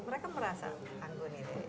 mereka merasa anggun ini